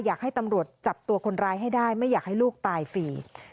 อยากให้ตำรวจจับตัวคนร้ายให้ได้ไม่อยากให้ลูกตายฟรี